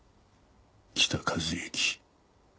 北一幸